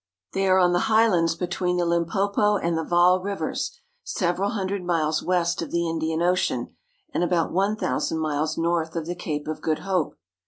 They are on the highlands between the Lim popo and the Vaal rivers, several hundred miles west of the Indian Ocean, and about one thousand miles north of the Cape of Good Hope.